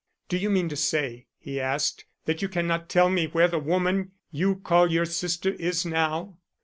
"Do you mean to say," he asked, "that you cannot tell me where the woman you call your sister is now?"